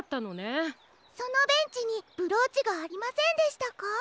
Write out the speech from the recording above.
そのベンチにブローチがありませんでしたか？